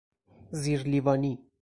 زیر لیوانی